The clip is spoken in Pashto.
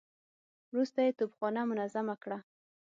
وروسته يې توپخانه منظمه کړه.